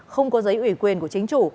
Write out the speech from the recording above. không có giấy ủy quyền của chính chủ